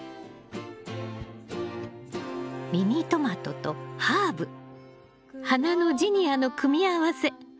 ミニトマトとハーブ花のジニアの組み合わせ。